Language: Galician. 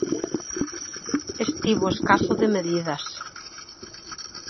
Estivo escaso de medidas.